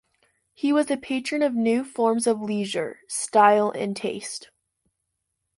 He was a patron of new forms of leisure, style and taste.